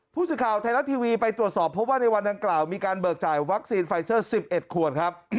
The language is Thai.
พูดสิทธิ์ข่าวทายลักษณ์ทีวีไปตรวจสอบเพราะว่าในวันทั้งกล่าวมีการเบิกจ่ายวัคซีนไฟเซอร์๑๑คน